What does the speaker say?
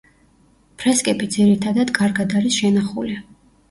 ფრესკები ძირითადად კარგად არის შენახული.